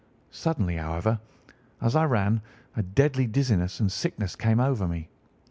Suddenly, however, as I ran, a deadly dizziness and sickness came over me.